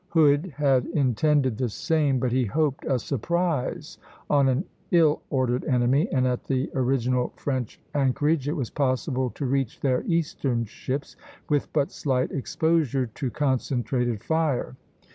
Hood had intended the same, but he hoped a surprise on an ill ordered enemy, and at the original French anchorage it was possible to reach their eastern ships, with but slight exposure to concentrated fire.